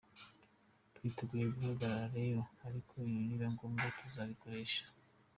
Twiteguye guhangana rero, ariko ni biba ngombwa tuzanikoresha.